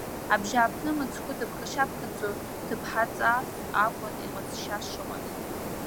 Абжьааԥны мыцхәгьы дыԥхашьа-ԥхаҵо, ҭыԥҳаҵас акәын иҟазшьа шыҟаз.